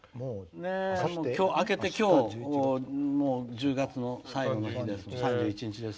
明けてきょう１０月の最後の日です。